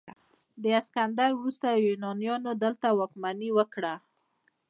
د اسکندر وروسته یونانیانو دلته واکمني وکړه